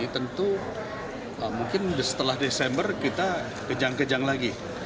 tentu mungkin setelah desember kita kejang kejang lagi